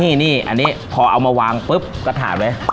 นี่อันนี้พอเอามาวางปุ๊บกระถาดไว้